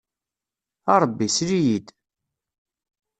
A Ṛebbi, sel-iyi-d!